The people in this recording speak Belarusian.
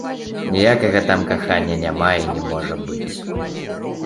Ніякага там кахання няма і не можа быць.